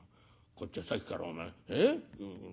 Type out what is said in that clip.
こっちはさっきからお前ええ？